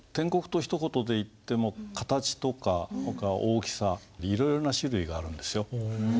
篆刻とひと言でいっても形とか大きさいろいろな種類があるんですよ。